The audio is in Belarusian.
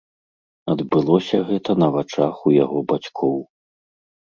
Адбылося гэта на вачах у яго бацькоў.